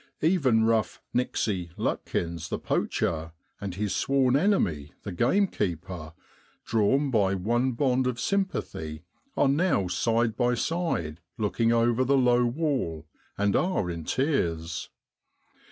Even rough * Nixey ' Lutkins the poacher, and his sworn enemy, the gamekeeper, drawn by one bond of sympathy, are now side by side looking over the low wall, and are in tears.